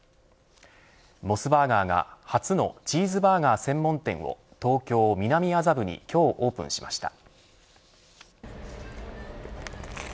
モスバーガーが初のチーズバーガー専門店を東京、南麻布に今日オープンしました。